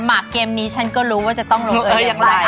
หมักเกมนี้ฉันก็รู้ว่าจะต้องลงเออ